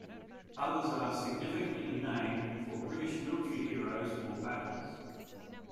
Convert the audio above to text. Others are significantly named for British military heroes or battles.